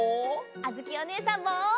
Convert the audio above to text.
あづきおねえさんも！